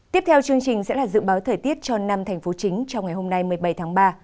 tiếp theo chương trình sẽ là dự báo thời tiết cho năm thành phố chính trong ngày hôm nay một mươi bảy tháng ba